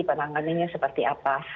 penanganannya seperti apa